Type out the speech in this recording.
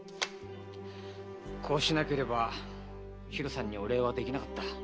こうしなければひろさんにお礼はできなかった。